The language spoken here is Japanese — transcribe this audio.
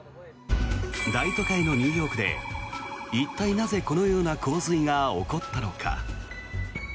大都会のニューヨークで一体なぜこのような洪水が起こったのか。